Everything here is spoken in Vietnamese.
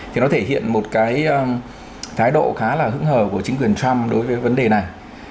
thì nó thể hiện một cái thái độ khá là hứng thờ của chính quyền trump đối với vấn đề này